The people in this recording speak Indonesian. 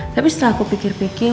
tapi setelah aku pikir pikir